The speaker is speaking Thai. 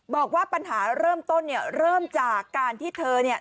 บอกว่าปัญหาเริ่มต้นเนี่ยเริ่มจากการที่เธอเนี่ย